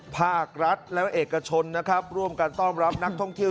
ภาครัฐและเอกชนนะครับร่วมกันต้อนรับนักท่องเที่ยว